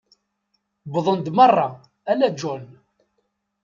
Wwḍen-d merra, ala John.